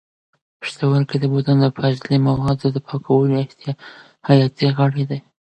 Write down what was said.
پښتورګي د بدن د فاضله موادو د پاکولو حیاتي غړي دي.